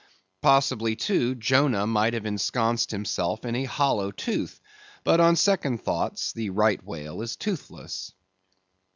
Possibly, too, Jonah might have ensconced himself in a hollow tooth; but, on second thoughts, the Right Whale is toothless.